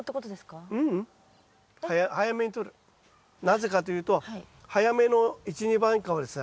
なぜかというと早めの一・二番果はですね